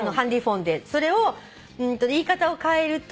それを言い方をかえると。